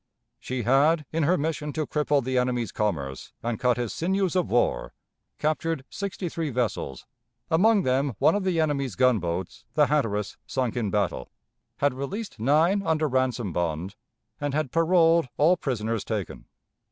She had, in her mission to cripple the enemy's commerce and cut his sinews of war, captured sixty three vessels, among them one of the enemy's gunboats, the Hatteras, sunk in battle, had released nine under ransom bond, and had paroled all prisoners taken.